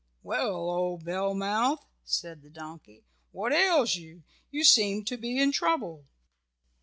"Well, old Bellmouth," said the donkey, "what ails you? You seem to be in trouble."